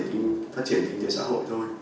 trong quá trình phát triển kinh tế xã hội thôi